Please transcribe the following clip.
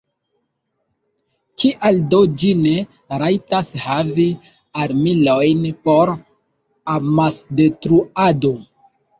Kial do ĝi ne rajtas havi armilojn por amasdetruado?